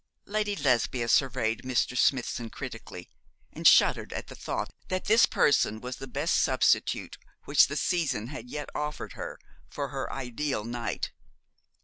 Lady Lesbia surveyed Mr. Smithson critically, and shuddered at the thought that this person was the best substitute which the season had yet offered her for her ideal knight.